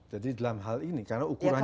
jadi dalam hal ini karena ukurannya itu